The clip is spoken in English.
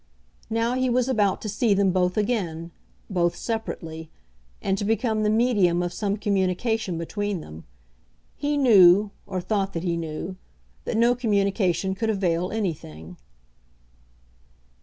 Now he was about to see them both again, both separately; and to become the medium of some communication between them. He knew, or thought that he knew, that no communication could avail anything.